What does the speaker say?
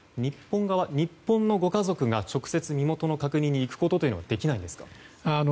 日本のご家族が直接身元の確認に行くことというのはできないんですか？